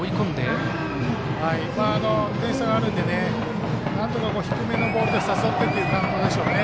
３点差があるんでなんとか低めのボールで誘ってというカウントでしょうね。